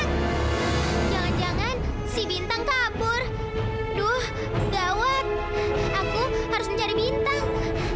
jangan jangan si bintang kabur duh gawat aku harus mencari bintang